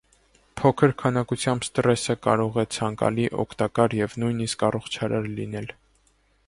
Փոքր քանակությամբ սթրեսը կարող է ցանկալի, օգտակար և նույնիսկ առողջարար լինել։